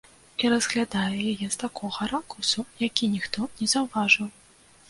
І разглядаю яе з такога ракурсу, які ніхто не заўважыў.